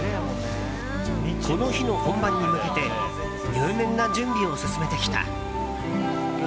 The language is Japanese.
この日の本番に向けて入念な準備を進めてきた。